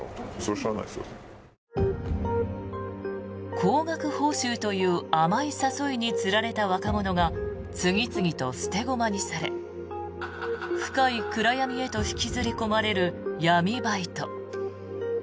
高額報酬という甘い誘いに釣られた若者が次々と捨て駒にされ深い暗闇へと引きずり込まれる闇バイト。